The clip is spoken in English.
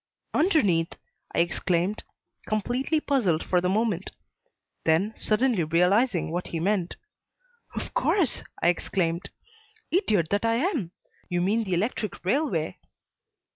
"Underneath!" I exclaimed, completely puzzled for the moment. Then, suddenly realizing what he meant, "Of course!" I exclaimed. "Idiot that I am! You mean the electric railway?"